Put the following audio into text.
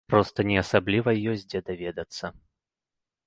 Проста не асабліва ёсць дзе даведацца.